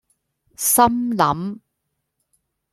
心諗